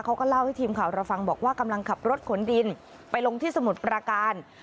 เขาก็เล่าให้ทีมข่าวเราฟังบอกว่ากำลังขับรถขนดินไปลงที่สมุทรประการ